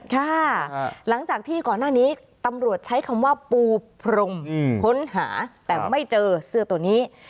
ค่ะหลังจากที่ก่อนหน้านี้ตำรวจใช้คำว่าปูพรมค้นหาแต่ไม่เจอเสื้อตัวนี้